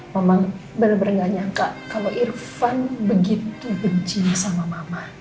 mama bener bener gak nyangka kalau irfan begitu benci sama mama